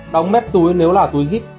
đóng mép túi nếu là túi dít